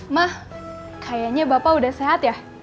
mah kayaknya bapak udah sehat ya